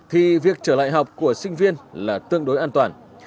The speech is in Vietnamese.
thì việc trở lại học của sinh viên là tương đối an toàn